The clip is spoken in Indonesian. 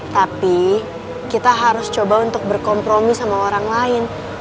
tapi kita harus coba untuk berkompromi sama orang lain